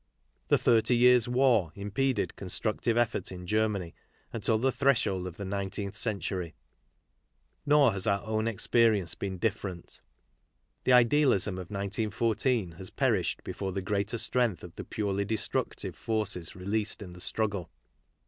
The Thirty Years' War im peded constructive effort in Germany until the threshold of the nineteenth century. Nor has our own experience been different. The idealism of 1914 has perished before the greater strength of the purely destructive forces released in the struggle.